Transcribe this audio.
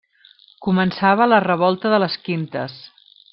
Començava la Revolta de les Quintes.